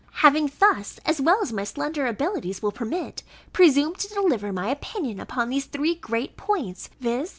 Having thus, as well as my slender abilities will permit, presumed to deliver my opinion upon three great points, viz.